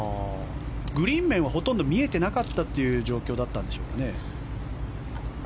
グリーン面はほとんど見えていなかった状況なんでしょうか。